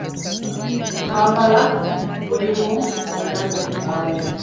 Mu Kampala mulimu abatamiivu bangi.